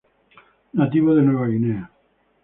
Nativo de Nueva Guinea.